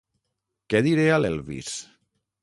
Què diré a l'Elvis?